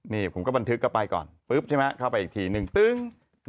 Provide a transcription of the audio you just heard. นี่ผมก็บันทึกเข้าไปก่อนปุ๊บใช่ไหมเข้าไปอีกทีหนึ่งตึ้ง